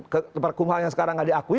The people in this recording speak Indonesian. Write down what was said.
ke perkumahan yang sekarang nggak diakui